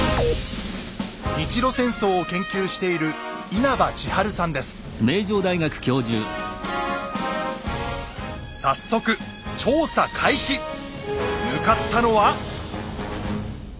日露戦争を研究している早速向かったのは。